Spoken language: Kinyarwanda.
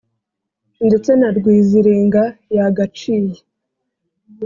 Ndetse na rwiziringa yagaciye